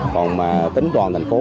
còn tính toàn thành phố